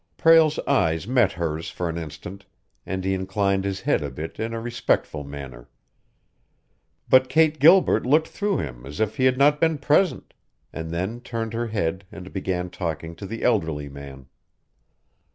Prale's eyes met hers for an instant, and he inclined his head a bit in a respectful manner. But Kate Gilbert looked through him as if he had not been present, and then turned her head and began talking to the elderly man.